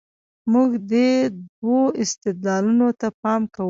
موږ دې دوو استدلالونو ته پام کوو.